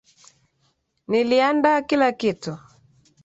Nilianda kila kitu.